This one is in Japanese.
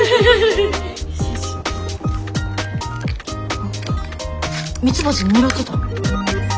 あっミツバチ狙ってた？